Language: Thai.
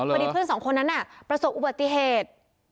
เพื่อนสองคนนั้นประสบอุบัติเหตุ